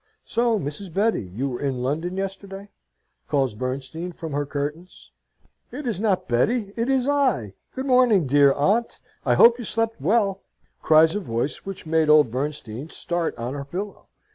"So, Mrs. Betty, you were in London yesterday?" calls Bernstein from her curtains. "It is not Betty it is I! Good morning, dear aunt! I hope you slept well?" cries a voice which made old Bernstein start on her pillow.